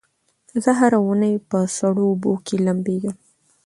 زه هره اونۍ په سړو اوبو کې لمبېږم.